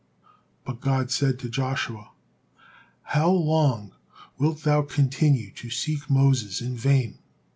'" But God said to Joshua: "How long wilt thou continue to seek Moses in vain?